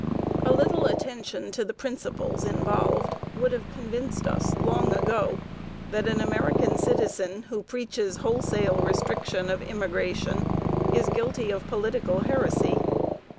A little attention to the principles involved would have convinced us long ago that an American citizen who preaches wholesale restriction of immigration is guilty of political heresy.